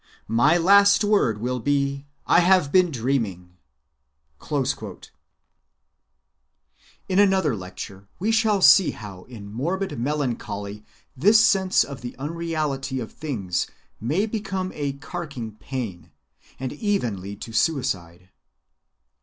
My last word will be, 'I have been dreaming.' "(27) In another lecture we shall see how in morbid melancholy this sense of the unreality of things may become a carking pain, and even lead to suicide.